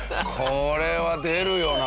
これは出るよな